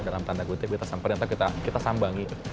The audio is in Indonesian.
dalam tanda guntik kita samperin atau kita sambangi